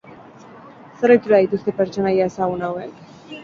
Zer ohitura dituzte pertsonaia ezagun hauek?